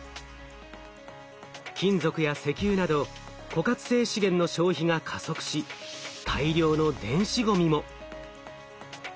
金属や石油など枯渇性資源の消費が加速し大量の電子ごみも。